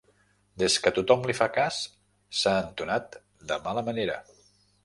Des que tothom li fa cas s'ha entonat de mala manera.